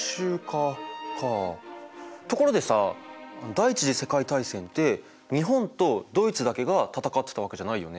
第一次世界大戦って日本とドイツだけが戦ってたわけじゃないよね。